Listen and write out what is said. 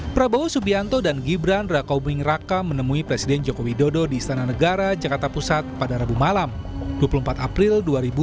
prabowo subianto dan gibran raka buming raka menemui presiden joko widodo di istana negara jakarta pusat pada rabu malam dua puluh empat april dua ribu dua puluh